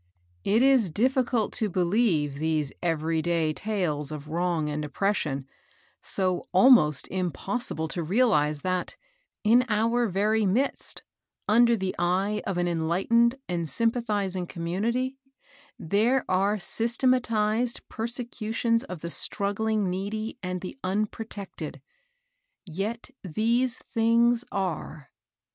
It is so difficult to believe these ev^ry day tales of (6) VI INTRODUCrnON. wrong and oppressioiiy so almost impossible to real ize that, in our very midst, under the eye of an enlightened and sympathizing commnnityy there are systematized persecuticms of the straggling needy and the unprotected I Yet these things are.